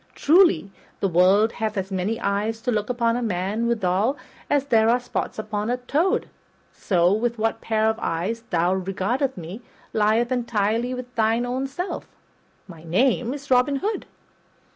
Truly, the world hath as many eyes to look upon a man withal as there are spots on a toad; so, with what pair of eyes thou regardest me lieth entirely with thine own self. My name is Robin Hood."